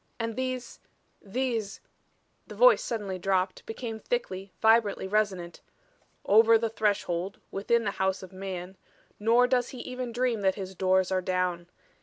"And these these " the voice suddenly dropped, became thickly, vibrantly resonant, "over the Threshold, within the House of Man nor does he even dream that his doors are down.